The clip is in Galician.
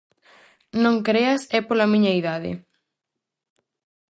Non creas é pola miña idade.